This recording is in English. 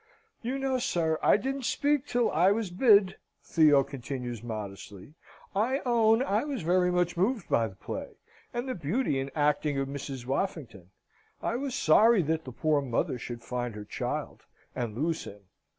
"You know, sir, I didn't speak till I was bid," Theo continues, modestly. "I own I was very much moved by the play, and the beauty and acting of Mrs. Woffington. I was sorry that the poor mother should find her child, and lose him.